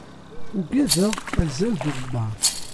Ugadeɣ azal d uɣebbar